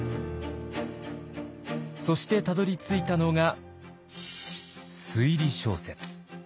そしてたどりついたのが推理小説。